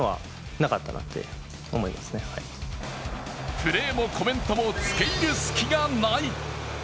プレーもコメントも付け入る隙がない。